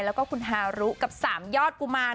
แล้วก็คุณฮารุกับ๓ยอดกุมาร